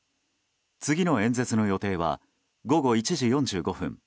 次の演説の予定は午後１時４５分